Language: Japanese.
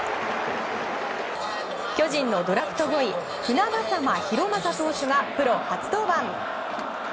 巨人のドラフト５位船迫大雅投手がプロ初登板。